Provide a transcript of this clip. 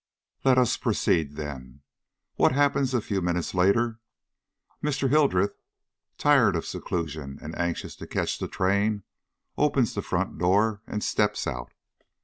Let us proceed then. What happens a few minutes later? Mr. Hildreth, tired of seclusion and anxious to catch the train, opens the front door and steps out.